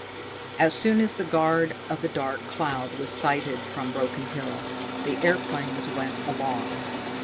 As soon as the vanguard of the dark cloud was sighted from Broken Hill, the airplanes went aloft.